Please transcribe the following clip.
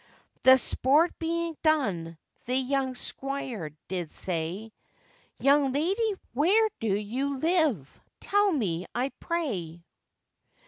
The sport being done, the young squire did say, 'Young lady, where do you live? tell me, I pray.